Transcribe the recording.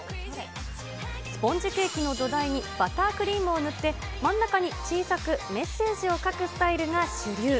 スポンジケーキの土台にバタークリームを塗って、真ん中に小さくメッセージを書くスタイルが主流。